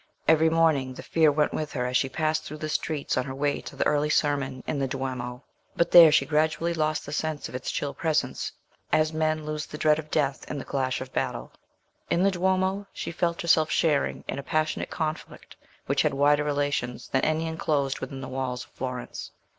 Every morning the fear went with her as she passed through the streets on her way to the early sermon in the Duomo: but there she gradually lost the sense of its chill presence, as men lose the dread of death in the clash of battle. In the Duomo she felt herself sharing in a passionate conflict which had wider relations than any enclosed within the walls of Florence.